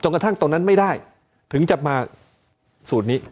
กระทั่งตรงนั้นไม่ได้ถึงจะมาสูตรนี้